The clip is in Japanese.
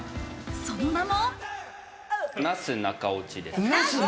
その名も。